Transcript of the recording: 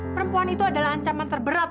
perempuan itu adalah ancaman terberat